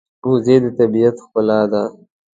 وزې د طبیعت ښکلا ده